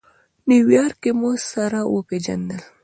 نیویارک کې مو سره وپېژندل.